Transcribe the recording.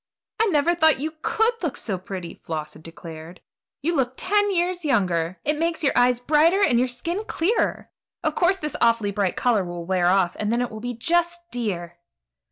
"I never thought you could look so pretty," Floss had declared; "you look ten years younger. It makes your eyes brighter and your skin clearer. Of course this awfully bright color will wear off, and then it will be just dear."